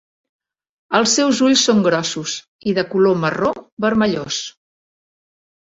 Els seus ulls són grossos i de color marró vermellós.